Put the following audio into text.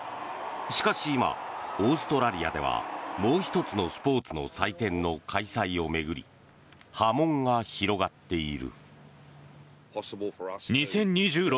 しかし今、オーストラリアではもう１つのスポーツの祭典の開催を巡り波紋が広がっている。